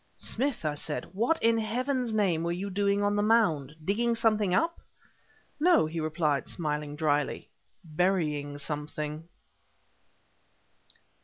"Smith," I said, "what, in Heaven's name, were you doing on the mound? Digging something up?" "No," he replied, smiling dryly; "burying something!"